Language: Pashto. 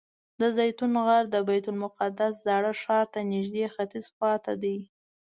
د زیتون غر د بیت المقدس زاړه ښار ته نږدې ختیځ خوا ته دی.